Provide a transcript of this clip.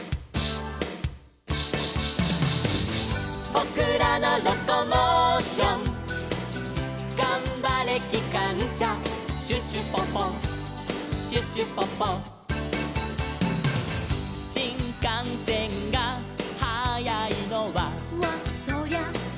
「ぼくらのロコモーション」「がんばれきかんしゃ」「シュシュポポシュシュポポ」「しんかんせんがはやいのは」